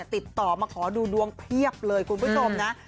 ติดต่อมาขอดูดวงเพียบเลยคุณผู้ชมนะ